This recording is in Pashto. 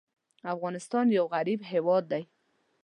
افغانستان یو غریب هېواد دی.